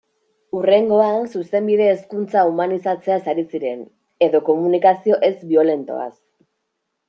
Hurrengoan, Zuzenbide-hezkuntza humanizatzeaz ari ziren, edo komunikazio ez-biolentoaz...